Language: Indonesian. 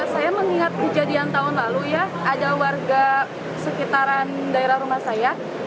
saya mengingat kejadian tahun lalu ya ada warga sekitaran daerah rumah saya